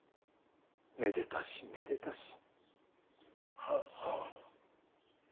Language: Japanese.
めでたしめでたし。